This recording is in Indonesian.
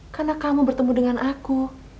karena kamu bertemu dengan aku